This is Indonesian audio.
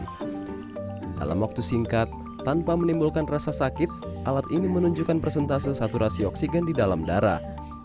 dalam waktu singkat tanpa menimbulkan rasa sakit alat ini menunjukkan persentase saturasi oksigen di dalam darah